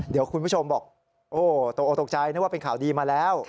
เดี๋ยวคุณผู้ชมบอกโอ้ตกออกตกใจนึกว่าเป็นข่าวดีมาแล้ว